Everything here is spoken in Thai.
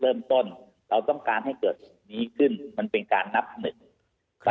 และก็สปอร์ตเรียนว่าคำน่าจะมีการล็อคกรมการสังขัดสปอร์ตเรื่องหน้าในวงการกีฬาประกอบสนับไทย